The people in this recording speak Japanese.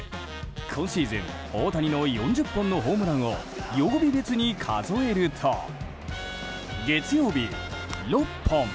今シーズン大谷の４０本のホームランを曜日別に数えると月曜日、６本。